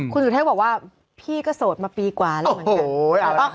คุณสุเทพบอกว่าพี่ก็โสดมาปีกว่าแล้วเหมือนกัน